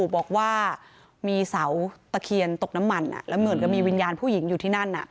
บอกว่ามีเสาตะเคียนตกน้ำมันแล้วเหมือนกับมีวิญญาณผู้หญิงอยู่ที่นั่น